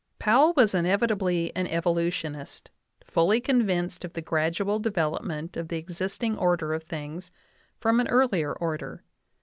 Powell was inevitably an evolutionist, fully convinced of the gradual development of the, existing order of things from an earlier order.